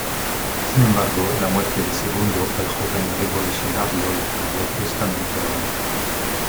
Sin embargo, la muerte de Segundo, el joven revolucionario, le cambia bruscamente la vida.